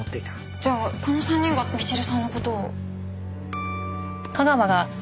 じゃあこの３人がみちるさんの事を？